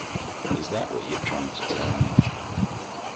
Is that what you're trying to tell me?